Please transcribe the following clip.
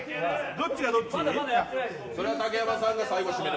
どっちが、どっち。